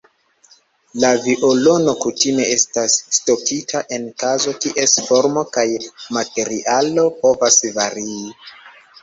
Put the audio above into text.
La violono kutime estas stokita en kazo kies formo kaj materialo povas varii.